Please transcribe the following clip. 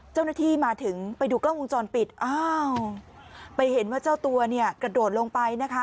เจ้าหน้าที่มาถึงไปดูกล้องวงจรปิดอ้าวไปเห็นว่าเจ้าตัวเนี่ยกระโดดลงไปนะคะ